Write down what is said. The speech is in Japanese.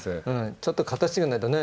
ちょっと勝たしてくれないとね。